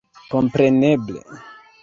kompreneble